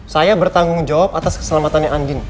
saya bertanggung jawab atas keselamatannya andin